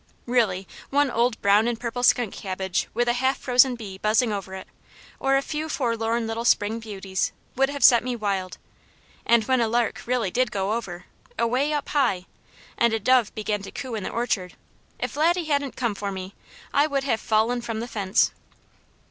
Really, one old brown and purple skunk cabbage with a half frozen bee buzzing over it, or a few forlorn little spring beauties, would have set me wild, and when a lark really did go over, away up high, and a dove began to coo in the orchard, if Laddie hadn't come for me, I would have fallen from the fence.